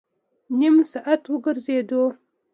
نیم ساعت وګرځېدو.